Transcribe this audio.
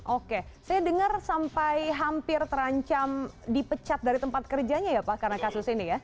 oke saya dengar sampai hampir terancam dipecat dari tempat kerjanya ya pak karena kasus ini ya